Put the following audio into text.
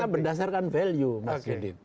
karena berdasarkan value mas gedit